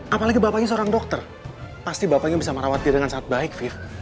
apalagi bapaknya seorang dokter pasti bapaknya bisa merawat dia dengan sangat baik fit